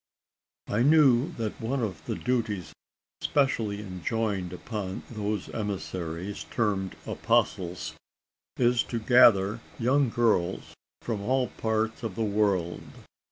I knew that one of the duties specially enjoined upon those emissaries termed "apostles," is to gather young girls from all parts of the world.